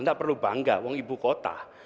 tidak perlu bangga uang ibu kota